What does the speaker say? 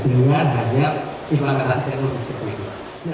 dengan harga implementasi teknologi seperti itu